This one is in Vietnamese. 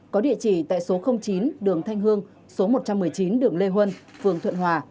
có địa chỉ tại số chín đường thanh hương số một trăm một mươi chín đường lê huân phường thuận hòa